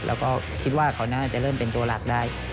แล้วก็คิดว่าเขาน่าจะเริ่มเป็นตัวหลักได้